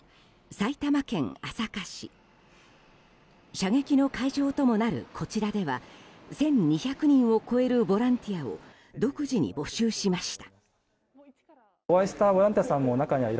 射撃の会場ともなる、こちらでは１２００人を超えるボランティアを独自に募集しました。